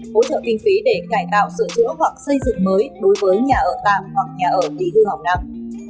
hỗ trợ kinh phí để cải tạo sửa chữa hoặc xây dựng mới đối với nhà ở tạm hoặc nhà ở tỷ thư hồng năm